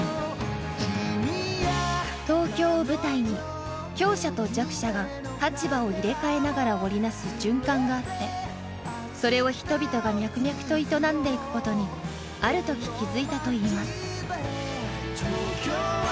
東京を舞台に強者と弱者が立場を入れ替えながら織りなす循環があってそれを人々が脈々と営んでいくことにある時気づいたといいます。